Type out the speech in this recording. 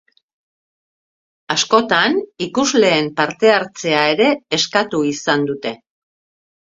Askotan, ikusleen partehartzea ere eskatu izan dute.